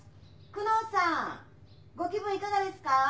久能さんご気分いかがですか？